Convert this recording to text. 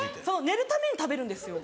寝るために食べるんですよ。